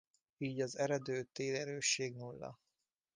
Így az eredő térerősség nulla.